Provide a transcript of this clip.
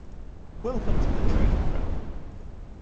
Welcome to the dream realm.